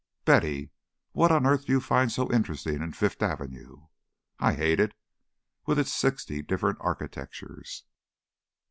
Betty, what on earth do you find so interesting in Fifth Avenue? I hate it, with its sixty different architectures."